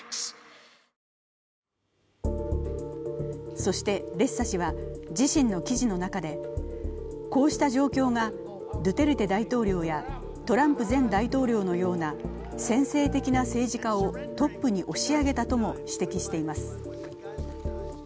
そして、レッサ氏は自身の記事の中でドゥテルテ大統領やトランプ前大統領のような専制的な政治家をトップに押し上げたとも指摘しています。